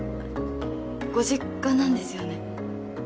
ご実家なんですよね？